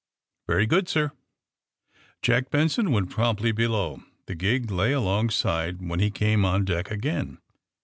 '^ Very good, sir." Jack Benson went promptly below. The gig lay alongside when he came on deck again.